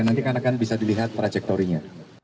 nanti kan akan bisa dilihat trajektorinya